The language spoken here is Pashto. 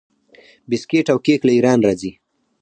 بسکیټ او کیک له ایران راځي.